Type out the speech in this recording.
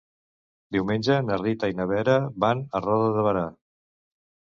Diumenge na Rita i na Vera van a Roda de Berà.